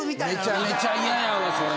めちゃめちゃ嫌やわそれ。